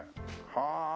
はあ